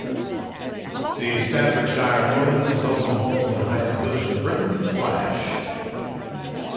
The Staffordshire Moorlands is also home to the highest village in Britain, Flash.